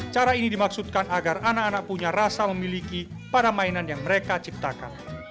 cara ini dimaksudkan agar anak anak punya rasa memiliki pada mainan yang mereka ciptakan